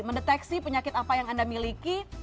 mendeteksi penyakit apa yang anda miliki